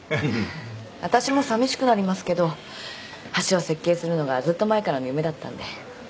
わたしもさみしくなりますけど橋を設計するのがずっと前からの夢だったんで。